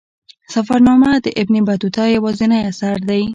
سفرنامه د ابن بطوطه یوازینی اثر دی.